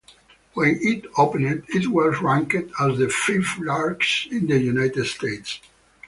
When it opened, it was ranked as the fifth largest in the United States.